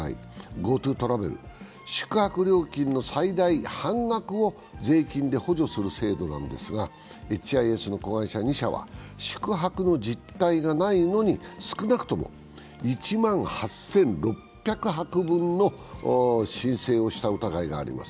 ＧｏＴｏトラベル、宿泊料金の最大半額を税金で補助する制度なんですが、エイチ・アイ・エスの子会社２社は宿泊の実態がないのに少なくとも１万８６００泊分の申請をした疑いがあります。